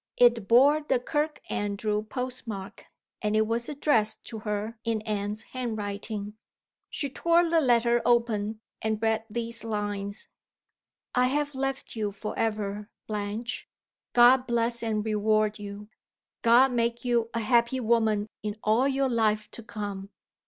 It bore the Kirkandrew postmark, and It was addressed to her in Anne's handwriting. She tore the letter open, and read these lines: "I have left you forever, Blanche. God bless and reward you! God make you a happy woman in all your life to come!